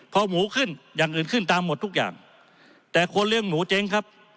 พอหมูขึ้นอย่างอื่นขึ้นตามหมดทุกอย่างแต่คนเลี้ยงหมูเจ๊งครับ